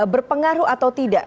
berpengaruh atau tidak